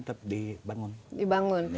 tetap dibangun dibangun